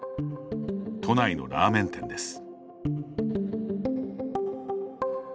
都内のラーメン店です。